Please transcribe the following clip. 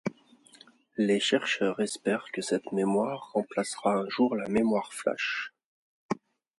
Les chercheurs espèrent que cette mémoire remplacera un jour la mémoire flash.